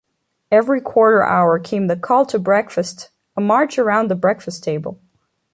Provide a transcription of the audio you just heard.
Every quarter-hour came the "Call to Breakfast"-a march around the breakfast table.